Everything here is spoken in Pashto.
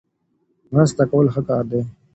مرسته کول ښه کار دی.